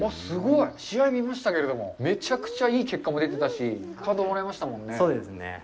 すごい。試合見ましたけれども、めちゃくちゃいい結果も出てたし感動もらいましたもんね。